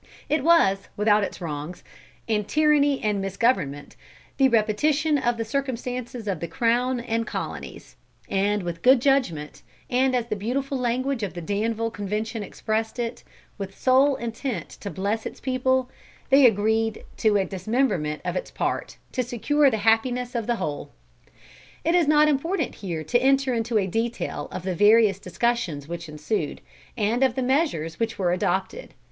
It was, without its wrongs, and tyranny and misgovernment, the repetition of the circumstances of the Crown and Colonies; and with good judgment, and as the beautiful language of the Danville convention expressed it, with sole intent to bless its people, they agreed to a dismemberment of its part, to secure the happiness of the whole."[F] [Footnote F: Daniel Boone, by W. H. Bogart.] It is not important here to enter into a detail of the various discussions which ensued, and of the measures which were adopted.